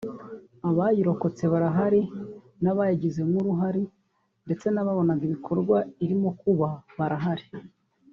abayirokotse barahari n’abayigizemo uruhare ndetse n’ababonaga ibikorwa irimo kuba barahari